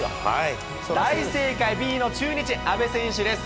大正解、Ｂの中日、阿部選手です。